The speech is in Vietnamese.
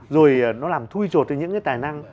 rồi nó làm thui trột được những cái tài năng